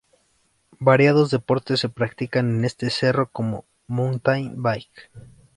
Variados deportes se practican en este cerro como Mountain bike.